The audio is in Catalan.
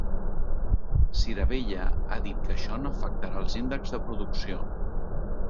Sirabella ha dit que això no afectarà els índexs de producció.